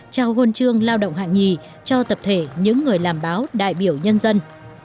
trao hôn trương lao động hạng nhì cho tập thể những người làm báo đại biểu nhân dân